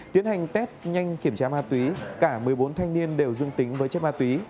tiến hành test nhanh kiểm tra ma túy cả một mươi bốn thanh niên đều dương tính với chất ma túy